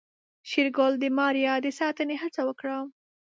شېرګل د ماريا د ساتنې هڅه وکړه.